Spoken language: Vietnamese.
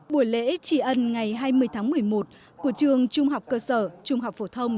buổi lễ tri ân ngày hai mươi tháng một mươi một của trường trung học cơ sở trung học phổ thông